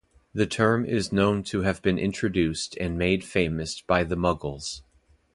The term is known to have been introduced and made famous by the Mughals.